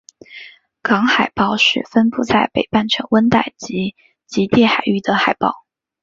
港海豹是分布在北半球温带及极地海域的海豹。